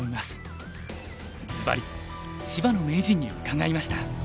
ずばり芝野名人に伺いました。